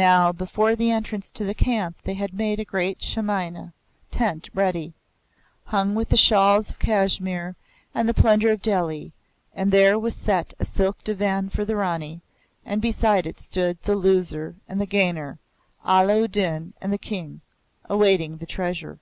Now, before the entrance to the camp they had made a great shamiana [tent] ready, hung with shawls of Kashmir and the plunder of Delhi; and there was set a silk divan for the Rani, and beside it stood the Loser and the Gainer, Allah u Din and the King, awaiting the Treasure.